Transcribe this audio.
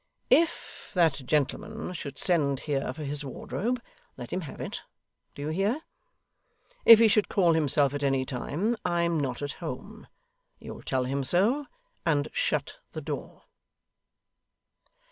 If that gentleman should send here for his wardrobe, let him have it, do you hear? If he should call himself at any time, I'm not at home. You'll tell him so, and shut the door.